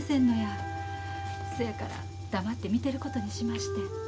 そやから黙って見てることにしましてん。